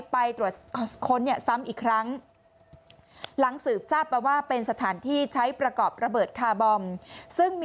ไปตรวจค้นซ้ำอีกครั้ง